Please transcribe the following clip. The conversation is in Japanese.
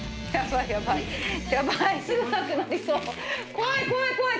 怖い怖い怖い！